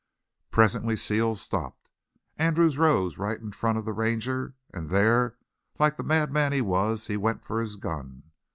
Presently Steele stopped. Andrews rose right in front of the Ranger, and there, like the madman he was, he went for his gun.